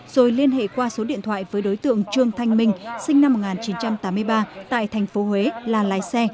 rồi liên hệ qua số điện thoại với đối tượng trương thanh minh sinh năm một nghìn chín trăm tám mươi ba tại thành phố huế là lái xe